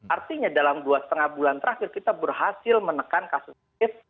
artinya dalam dua lima bulan terakhir kita berhasil menekan kasus aktif